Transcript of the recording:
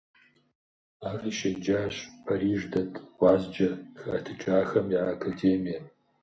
Ари щеджащ Париж дэт гъуазджэ хэӀэтыкӀахэм я Академием.